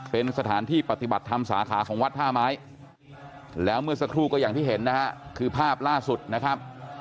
เป็นสถานที่ปฏิบัติธรรมสาขาของวัดท่าไม้แล้วเมื่อสักครู่ก็อย่างที่เห็นนะฮะคือภาพล่าสุดนะครับ